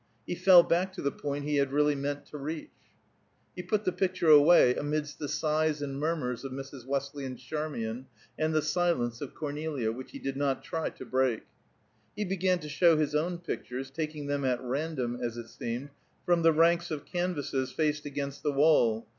"He fell back to the point he had really meant to reach." He put the picture away amidst the sighs and murmurs of Mrs. Westley and Charmian, and the silence of Cornelia, which he did not try to break. He began to show his own pictures, taking them at random, as it seemed, from the ranks of canvasses faced against the wall.